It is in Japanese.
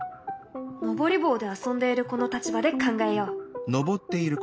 登り棒で遊んでいる子の立場で考えよう。